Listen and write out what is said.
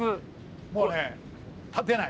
もうね立てない。